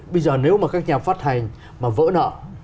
bây giờ nếu mà các nhà phát hành mà vỡ nợ